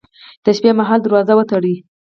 د شپې مهال دروازه وتړئ